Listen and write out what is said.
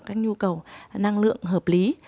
các nhu cầu năng lượng hợp lý